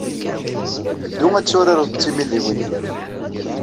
Ddu ad turared d tmidiwin-nnem.